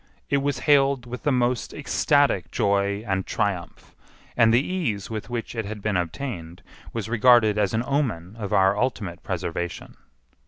It was hailed with the most ecstatic joy and triumph, and the ease with which it had been obtained was regarded as an omen of our ultimate preservation.